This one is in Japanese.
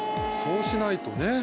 そうしないとね。